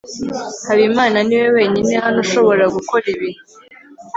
habimana niwe wenyine hano ushobora gukora ibi